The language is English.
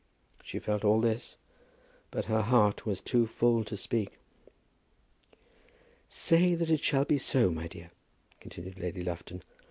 She felt all this, but her heart was too full to speak. "Say that it shall be so, my dear," continued Lady Lufton.